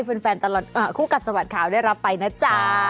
แฟนตลอดคู่กัดสะบัดข่าวได้รับไปนะจ๊ะ